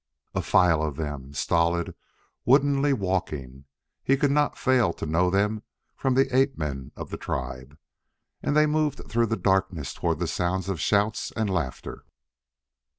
A file of them, stolid, woodenly walking he could not fail to know them from the ape men of the tribe. And they moved through the darkness toward the sounds of shouts and laughter.